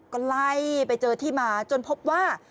ก็ไล่ไปเจอที่มาจนพบว่า